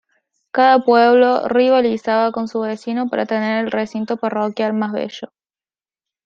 Cada pueblo rivalizaba con su vecino para tener el recinto parroquial más bello.